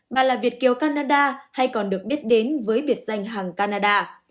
bà là việt kiều canada hay còn được biết đến với biệt danh hàng canada